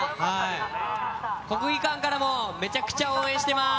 国技館からもめちゃくちゃ応援しています。